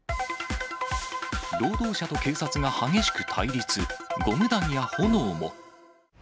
労働者と警察が激しく対立、ゴム弾や炎も。